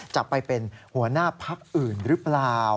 จะไปเป็นหัวหน้าพักอื่นหรือเปล่า